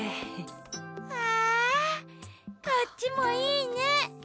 わこっちもいいね。